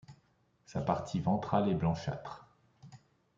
Sa partie ventrale est blanchâtre.